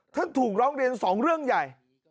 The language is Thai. ท่านถูกร้องเรียน๒เรื่องใหญ่